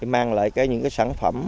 mang lại những cái sản phẩm